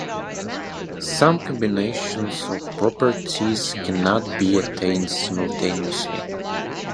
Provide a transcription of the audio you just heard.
Some combinations of properties cannot be attained simultaneously.